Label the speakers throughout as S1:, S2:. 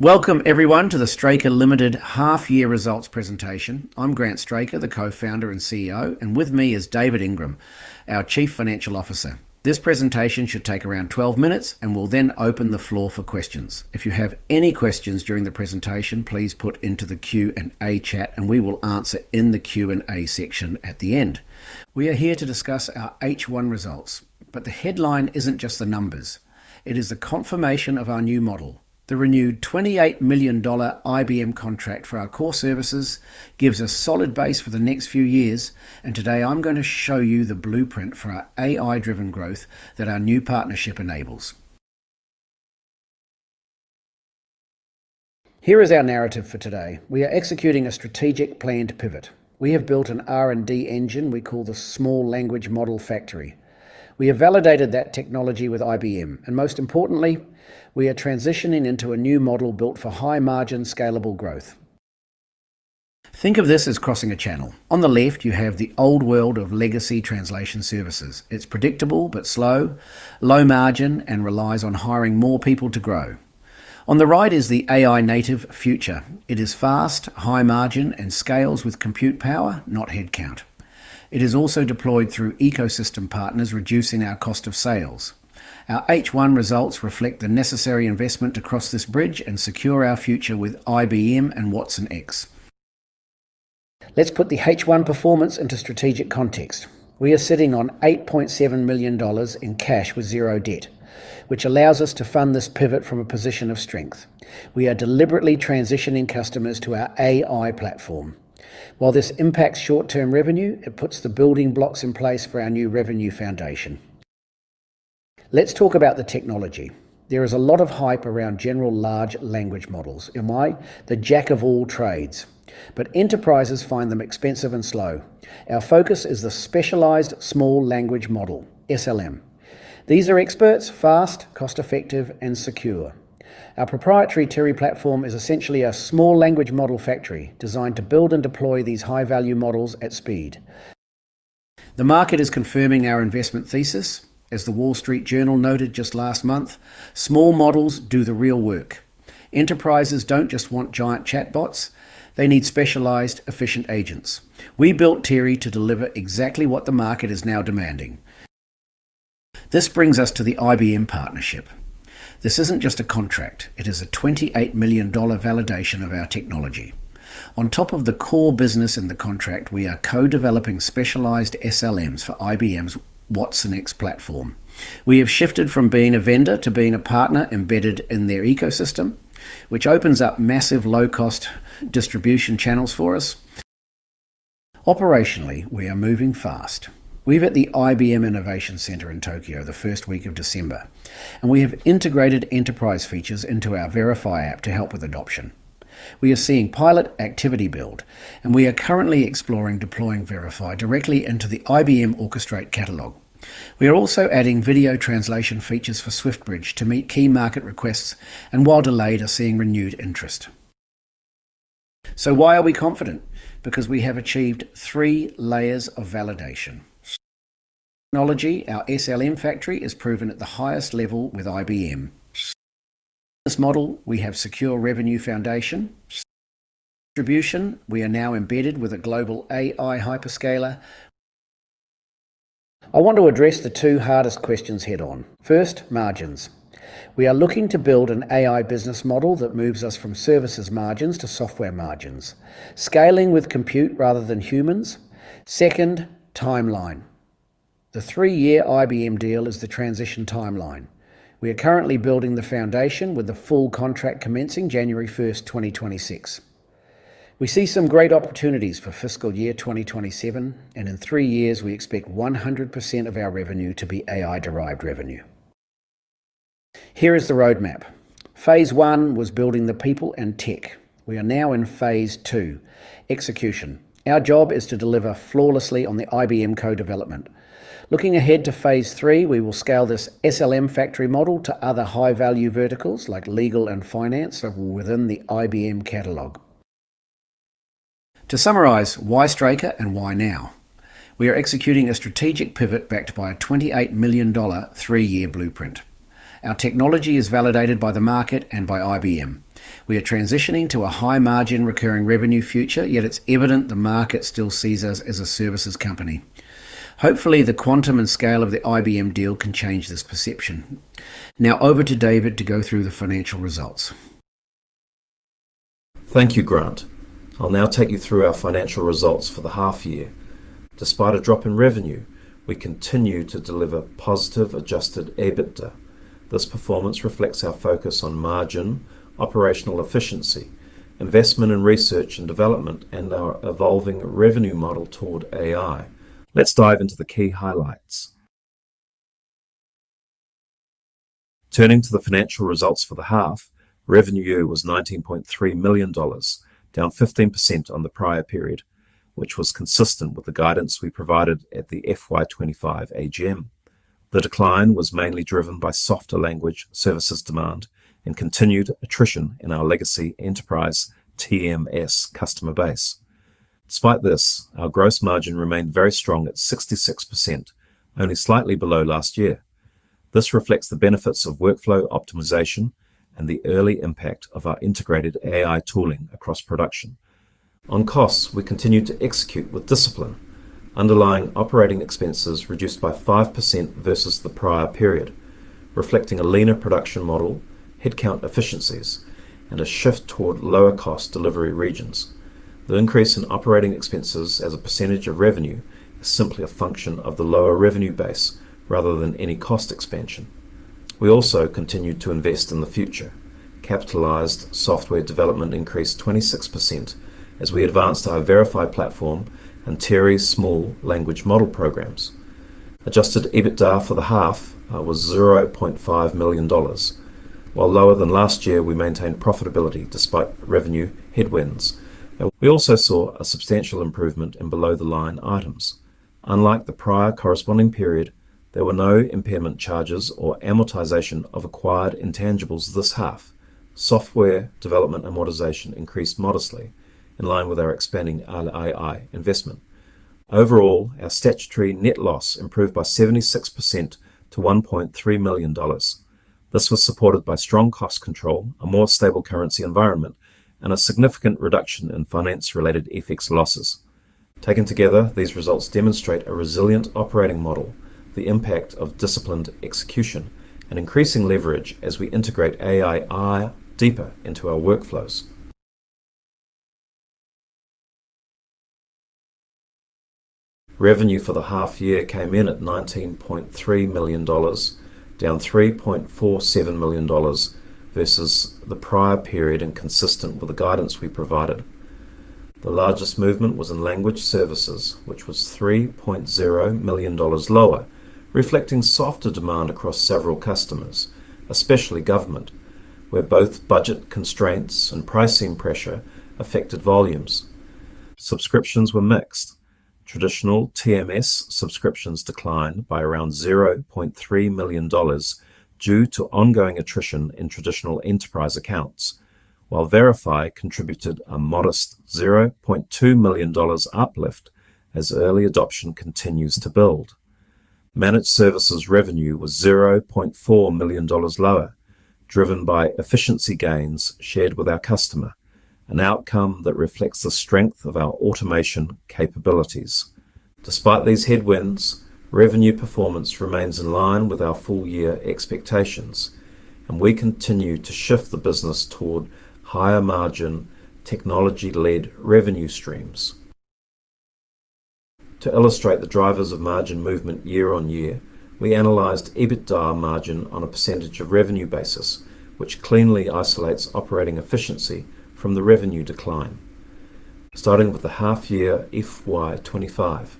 S1: Welcome, everyone, to the Straker Limited half-year results presentation. I'm Grant Straker, the co-founder and CEO, and with me is David Ingram, our Chief Financial Officer. This presentation should take around 12 minutes, and we'll then open the floor for questions. If you have any questions during the presentation, please put them into the Q&A chat, and we will answer in the Q&A section at the end. We are here to discuss our H1 results, but the headline isn't just the numbers; it is the confirmation of our new model. The renewed 28 million dollar IBM contract for our core services gives a solid base for the next few years, and today I'm going to show you the blueprint for our AI-driven growth that our new partnership enables. Here is our narrative for today: we are executing a strategic planned pivot. We have built an R&D engine we call the Small Language Model Factory. We have validated that technology with IBM, and most importantly, we are transitioning into a new model built for high-margin, scalable growth. Think of this as crossing a channel. On the left, you have the old world of legacy translation services. It's predictable but slow, low-margin, and relies on hiring more people to grow. On the right is the AI-native future. It is fast, high-margin, and scales with compute power, not headcount. It is also deployed through ecosystem partners, reducing our cost of sales. Our H1 results reflect the necessary investment to cross this bridge and secure our future with IBM and Watson X. Let's put the H1 performance into strategic context. We are sitting on 8.7 million dollars in cash with zero debt, which allows us to fund this pivot from a position of strength. We are deliberately transitioning customers to our AI platform. While this impacts short-term revenue, it puts the building blocks in place for our new revenue foundation. Let's talk about the technology. There is a lot of hype around general large language models, MI, the jack of all trades, but enterprises find them expensive and slow. Our focus is the Specialized Small Language Model, SLM. These are experts, fast, cost-effective, and secure. Our proprietary TURI platform is essentially a Small Language Model Factory designed to build and deploy these high-value models at speed. The market is confirming our investment thesis. As the Wall Street Journal noted just last month, small models do the real work. Enterprises don't just want giant chatbots; they need specialized, efficient agents. We built TURI to deliver exactly what the market is now demanding. This brings us to the IBM partnership. This isn't just a contract; it is a 28 million dollar validation of our technology. On top of the core business in the contract, we are co-developing specialized SLMs for IBM's Watson X platform. We have shifted from being a vendor to being a partner embedded in their ecosystem, which opens up massive low-cost distribution channels for us. Operationally, we are moving fast. We were at the IBM Innovation Center in Tokyo the first week of December, and we have integrated enterprise features into our Verify app to help with adoption. We are seeing pilot activity build, and we are currently exploring deploying Verify directly into the IBM Orchestrate catalog. We are also adding video translation features for SwiftBridge to meet key market requests, and while delayed, are seeing renewed interest. Why are we confident? Because we have achieved three layers of validation. Technology, our SLM factory is proven at the highest level with IBM. This model, we have secure revenue foundation. Distribution, we are now embedded with a global AI hyperscaler. I want to address the two hardest questions head-on. First, margins. We are looking to build an AI business model that moves us from services margins to software margins, scaling with compute rather than humans. Second, timeline. The three-year IBM deal is the transition timeline. We are currently building the foundation with the full contract commencing January 1st, 2026. We see some great opportunities for fiscal year 2027, and in three years, we expect 100% of our revenue to be AI-derived revenue. Here is the roadmap. Phase one was building the people and tech. We are now in phase two, execution. Our job is to deliver flawlessly on the IBM co-development. Looking ahead to phase three, we will scale this SLM factory model to other high-value verticals like legal and finance within the IBM catalog. To summarize, why Straker and why now? We are executing a strategic pivot backed by a 28 million dollar three-year blueprint. Our technology is validated by the market and by IBM. We are transitioning to a high-margin recurring revenue future, yet it's evident the market still sees us as a services company. Hopefully, the quantum and scale of the IBM deal can change this perception. Now over to David to go through the financial results.
S2: Thank you, Grant. I'll now take you through our financial results for the half year. Despite a drop in revenue, we continue to deliver positive adjusted EBITDA. This performance reflects our focus on margin, operational efficiency, investment in research and development, and our evolving revenue model toward AI. Let's dive into the key highlights. Turning to the financial results for the half, revenue was 19.3 million dollars, down 15% on the prior period, which was consistent with the guidance we provided at the FY 2025 AGM. The decline was mainly driven by softer language services demand and continued attrition in our legacy enterprise TMS customer base. Despite this, our gross margin remained very strong at 66%, only slightly below last year. This reflects the benefits of workflow optimization and the early impact of our integrated AI tooling across production. On costs, we continue to execute with discipline, underlying operating expenses reduced by 5% versus the prior period, reflecting a leaner production model, headcount efficiencies, and a shift toward lower-cost delivery regions. The increase in operating expenses as a percentage of revenue is simply a function of the lower revenue base rather than any cost expansion. We also continue to invest in the future. Capitalized software development increased 26% as we advanced our Verify platform and TURI Small Language Model programs. Adjusted EBITDA for the half was 0.5 million dollars, while lower than last year, we maintained profitability despite revenue headwinds. We also saw a substantial improvement in below-the-line items. Unlike the prior corresponding period, there were no impairment charges or amortization of acquired intangibles this half. Software development amortization increased modestly, in line with our expanding AI investment. Overall, our statutory net loss improved by 76% to 1.3 million dollars. This was supported by strong cost control, a more stable currency environment, and a significant reduction in finance-related ethics losses. Taken together, these results demonstrate a resilient operating model, the impact of disciplined execution, and increasing leverage as we integrate AI deeper into our workflows. Revenue for the half year came in at 19.3 million dollars, down 3.47 million dollars versus the prior period and consistent with the guidance we provided. The largest movement was in language services, which was 3.0 million dollars lower, reflecting softer demand across several customers, especially government, where both budget constraints and pricing pressure affected volumes. Subscriptions were mixed. Traditional TMS subscriptions declined by around 0.3 million dollars due to ongoing attrition in traditional enterprise accounts, while Verify contributed a modest 0.2 million dollars uplift as early adoption continues to build. Managed services revenue was 0.4 million dollars lower, driven by efficiency gains shared with our customer, an outcome that reflects the strength of our automation capabilities. Despite these headwinds, revenue performance remains in line with our full-year expectations, and we continue to shift the business toward higher-margin technology-led revenue streams. To illustrate the drivers of margin movement year on year, we analyzed EBITDA margin on a percentage of revenue basis, which cleanly isolates operating efficiency from the revenue decline. Starting with the half-year FY 2025,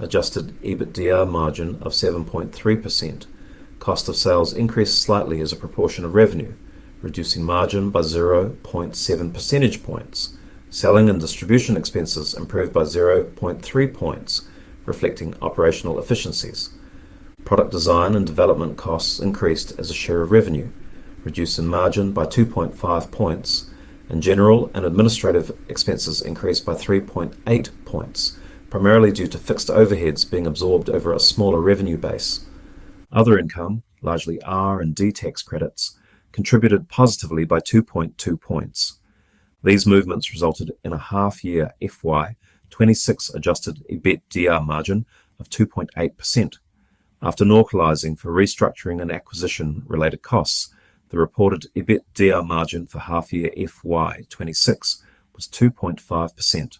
S2: adjusted EBITDA margin of 7.3%, cost of sales increased slightly as a proportion of revenue, reducing margin by 0.7 percentage points. Selling and distribution expenses improved by 0.3 percentage points, reflecting operational efficiencies. Product design and development costs increased as a share of revenue, reducing margin by 2.5 percentage points. General and administrative expenses increased by 3.8 percentage points, primarily due to fixed overheads being absorbed over a smaller revenue base. Other income, largely R&D tax credits, contributed positively by 2.2 percentage points. These movements resulted in a half-year FY 2026 adjusted EBITDA margin of 2.8%. After normalizing for restructuring and acquisition-related costs, the reported EBITDA margin for half-year FY 2026 was 2.5%.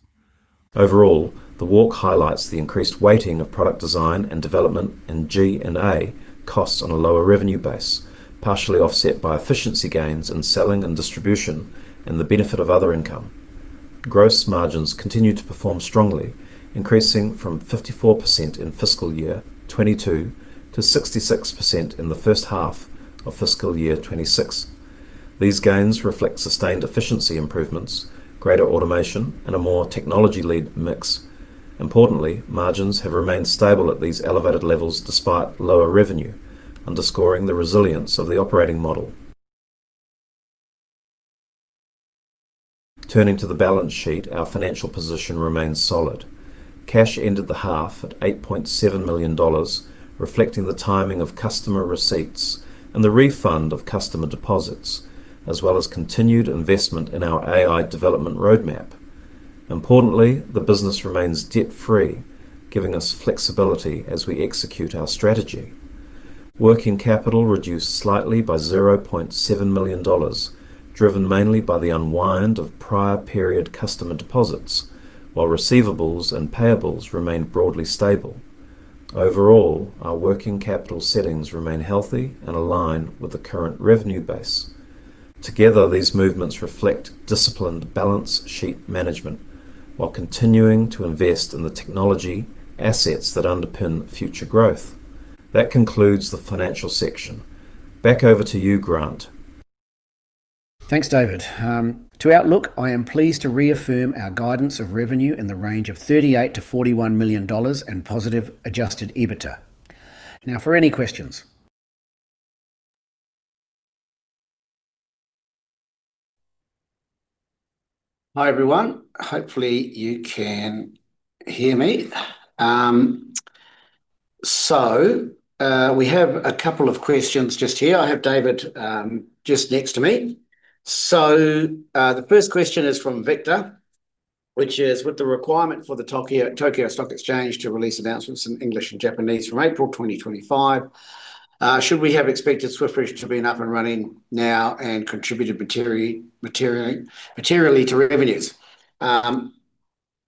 S2: Overall, the walk highlights the increased weighting of product design and development and G&A costs on a lower revenue base, partially offset by efficiency gains in selling and distribution and the benefit of other income. Gross margins continue to perform strongly, increasing from 54% in fiscal year 2022 to 66% in the first half of fiscal year 2026. These gains reflect sustained efficiency improvements, greater automation, and a more technology-led mix. Importantly, margins have remained stable at these elevated levels despite lower revenue, underscoring the resilience of the operating model. Turning to the balance sheet, our financial position remains solid. Cash ended the half at 8.7 million dollars, reflecting the timing of customer receipts and the refund of customer deposits, as well as continued investment in our AI development roadmap. Importantly, the business remains debt-free, giving us flexibility as we execute our strategy. Working capital reduced slightly by 0.7 million dollars, driven mainly by the unwind of prior-period customer deposits, while receivables and payables remained broadly stable. Overall, our working capital settings remain healthy and align with the current revenue base. Together, these movements reflect disciplined balance sheet management while continuing to invest in the technology assets that underpin future growth. That concludes the financial section. Back over to you, Grant.
S1: Thanks, David. To outlook, I am pleased to reaffirm our guidance of revenue in the range of 38 million-41 million dollars and positive adjusted EBITDA. Now for any questions. Hi everyone. Hopefully, you can hear me. We have a couple of questions just here. I have David just next to me. The first question is from Victor, which is, with the requirement for the Tokyo Stock Exchange to release announcements in English and Japanese from April 2025, should we have expected SwiftBridge to be up and running now and contributed materially to revenues?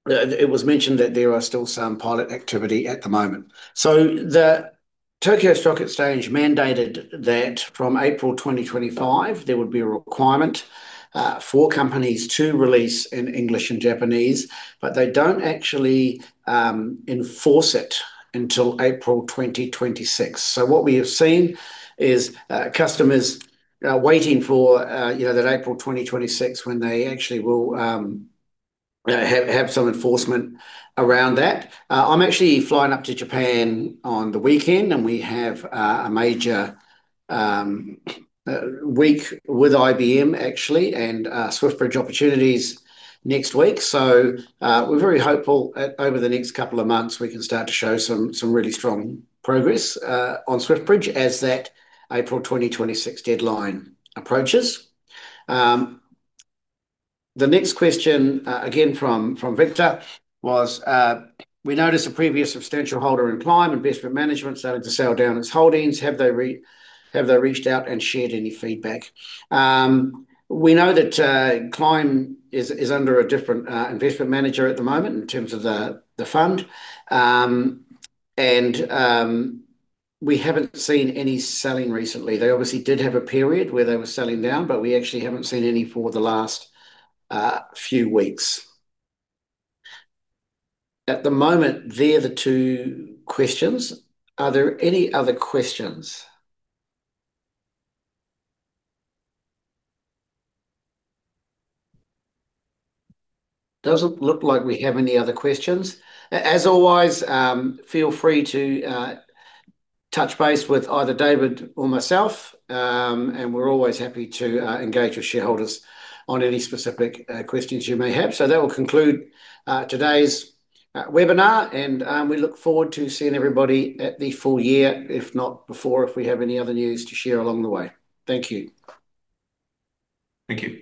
S1: It was mentioned that there are still some pilot activity at the moment. The Tokyo Stock Exchange mandated that from April 2025, there would be a requirement for companies to release in English and Japanese, but they do not actually enforce it until April 2026. What we have seen is customers waiting for that April 2026 when they actually will have some enforcement around that. I'm actually flying up to Japan on the weekend, and we have a major week with IBM, actually, and SwiftBridge opportunities next week. We are very hopeful that over the next couple of months, we can start to show some really strong progress on SwiftBridge as that April 2026 deadline approaches. The next question, again from Victor, was we noticed a previous substantial holder in Clime Investment Management starting to sell down its holdings. Have they reached out and shared any feedback? We know that Clime is under a different investment manager at the moment in terms of the fund, and we have not seen any selling recently. They obviously did have a period where they were selling down, but we actually have not seen any for the last few weeks. At the moment, they are the two questions. Are there any other questions? Does not look like we have any other questions. As always, feel free to touch base with either David or myself, and we're always happy to engage with shareholders on any specific questions you may have. That will conclude today's webinar, and we look forward to seeing everybody at the full year, if not before, if we have any other news to share along the way. Thank you.
S2: Thank you.